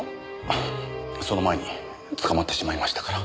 その前に捕まってしまいましたから。